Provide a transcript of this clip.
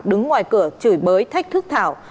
đứng ngoài cửa chửi bới thách thức thảo